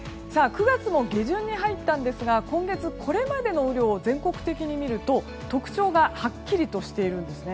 ９月も下旬に入ったんですが、今月これまでの雨量を全国的に見ると特徴がはっきりとしているんです。